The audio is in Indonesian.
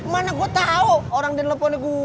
mana gue tau orang di neleponnya gue